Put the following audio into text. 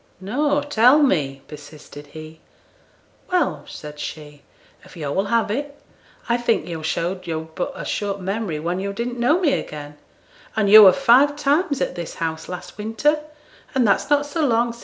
'No; tell me,' persisted he. 'Well,' said she, 'if yo' will have it, I think yo' showed yo'd but a short memory when yo' didn't know me again, and yo' were five times at this house last winter, and that's not so long sin'.